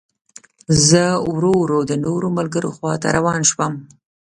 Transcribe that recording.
زه ورو ورو د نورو ملګرو خوا ته روان شوم.